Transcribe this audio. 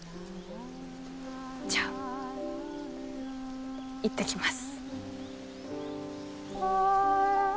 じゃあ行ってきます。